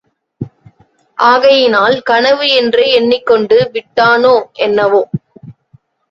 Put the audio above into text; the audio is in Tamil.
ஆகையினால் கனவு என்றே எண்ணிக் கொண்டு விட்டானோ என்னவோ?